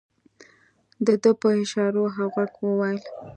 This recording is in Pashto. ده په اشارو او غږ وويل.